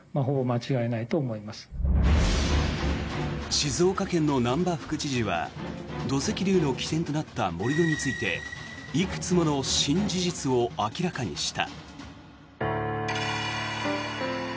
静岡県の難波副知事は土石流の起点となった盛り土についていくつもの新事実を明らかにした。